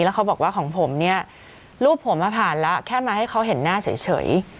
แล้วเขาบอกว่าของผมเนี่ยรูปผมผ่านแล้วแค่มาให้เขาเห็นหน้าเฉย